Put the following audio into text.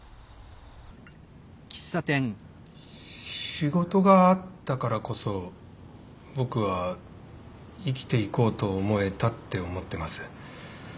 仕事があったからこそ僕は生きていこうと思えたって思ってます。